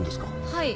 はい。